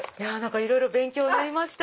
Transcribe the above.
いろいろ勉強になりました。